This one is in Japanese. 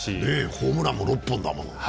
ホームランも６本だもの。